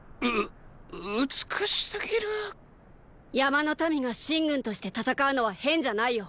う美しすぎる山の民が秦軍として戦うのは変じゃないよ。